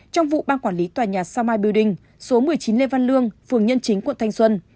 trong vụ bang quản lý tòa nhà sao mai building số một mươi chín lê văn lương phường nhân chính quận thanh xuân